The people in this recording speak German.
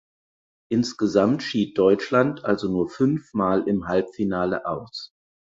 Insgesamt schied Deutschland also nur fünfmal im Halbfinale aus.